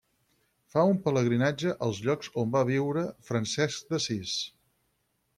Fa un pelegrinatge als llocs on va viure Francesc d'Assís.